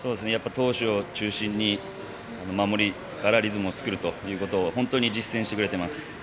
投手を中心に守りからリズムを作るということを本当に実践してくれてます。